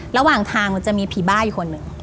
ระหว่างทางมันจะมีผีบ้าอีกคนหนึ่ง